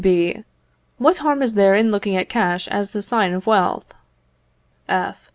B. What harm is there in looking at cash as the sign of wealth? F.